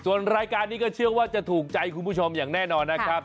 ส่วนรายการนี้ก็เชื่อว่าจะถูกใจคุณผู้ชมอย่างแน่นอนนะครับ